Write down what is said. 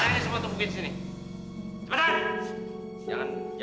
lo mau kasih kesempatan gue